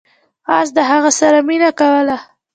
اس د هغه سره مینه کوله.